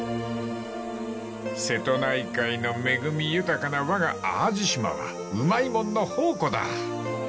［瀬戸内海の恵み豊かなわが淡路島はうまいもんの宝庫だ］